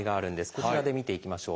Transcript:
こちらで見ていきましょう。